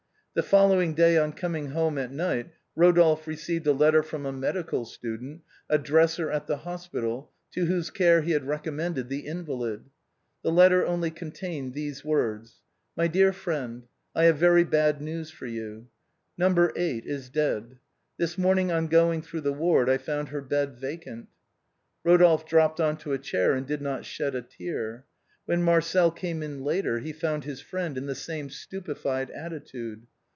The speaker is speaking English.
The following day on coming home at night, Eodolphe received a letter from a medical student, a dresser at the hospital, to whose care he had recommended the invalid. The letter only contained these words :—" My dear friend, I have very bad news for you. No. 8 is dead. This morning on going through the ward I found her bed vacant." Eodolphe dropped on to a chair and did not shed a tear. When Marcel came in later he found his friend in the same stupefied attitude.